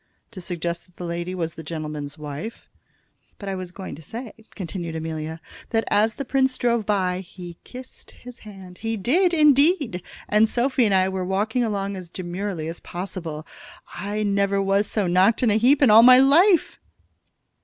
"To suggest that the lady was the gentleman's wife?" "But I was going to say," continued Amelia, "that as the prince drove by he kissed his hand he did, indeed. And Sophy and I were walking along as demurely as possible. I never was so knocked of a heap in all my life."